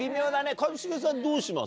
一茂さんどうします？